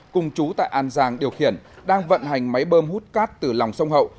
cùng chú tại an giang điều khiển đang vận hành máy bơm hút cát từ lòng sông hậu